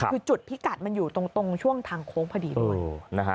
คือจุดพิกัดมันอยู่ตรงช่วงทางโค้งพอดีด้วย